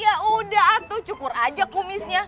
ya udah aku cukur aja kumisnya